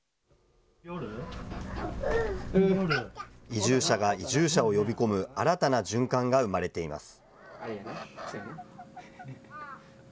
移住者が移住者を呼び込む新たな循環が生まれています。